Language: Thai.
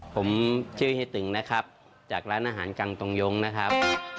ผมชื่อเฮียตึงนะครับจากร้านอาหารกังตรงย้งนะครับ